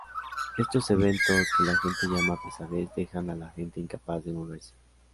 Estos eventos, que la gente llama "Pesadez", dejan a la gente incapaz de moverse.